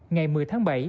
ngày một mươi tháng bảy